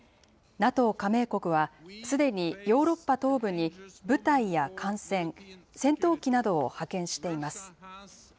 ＮＡＴＯ加盟国は、すでにヨーロッパ東部に部隊や艦船、戦闘機などを派遣しています。